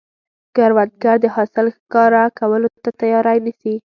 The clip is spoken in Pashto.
کروندګر د حاصل ښکاره کولو ته تیاری نیسي